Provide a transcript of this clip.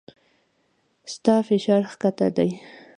ستا فشار کښته دی